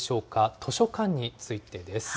図書館についてです。